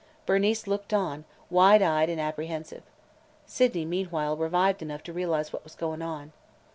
Bernice looked on, wide eyed and apprehensive. Sydney meanwhile revived enough to realize what was going on.